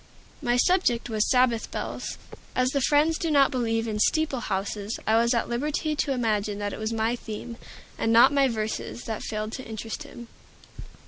My subject was "Sabbath Bells." As the Friends do not believe in "steeple houses," I was at liberty to imagine that it was my theme, and not my verses, that failed to interest him.